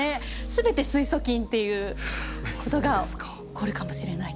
すべて水素菌っていうことが起こるかもしれない。